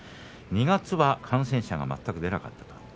２月は感染者が全く出なかった。